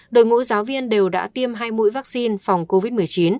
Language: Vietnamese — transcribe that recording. đội ngũ giáo viên đều đã tiêm hai mũi vaccine phòng covid một mươi chín